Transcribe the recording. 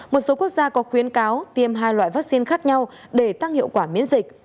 một số quốc gia có khuyến cáo tiêm hai loại vaccine khác nhau để tăng hiệu quả miễn dịch